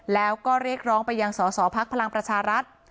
แล้วก็เรียกร้องไปยังสอสอพักพลังประชารัฐ